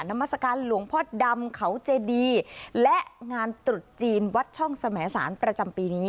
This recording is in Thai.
มัศกาลหลวงพ่อดำเขาเจดีและงานตรุษจีนวัดช่องสมสารประจำปีนี้